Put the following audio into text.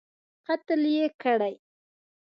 قتل یې کړی.